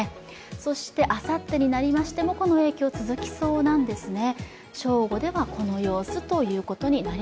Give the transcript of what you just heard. そして、あさってになりましてもこの影響続きそうなんですね。